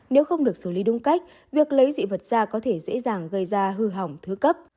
nếu không được xử lý đúng cách việc lấy dị vật ra có thể dễ dàng gây ra hư hỏng thứ cấp